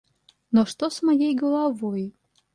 Но что с моей головой?